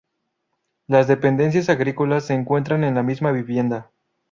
Las dependencias agrícolas se encuentran en la misma vivienda.